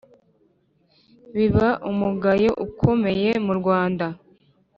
Biba umugayo ukomeye mu Rwanda!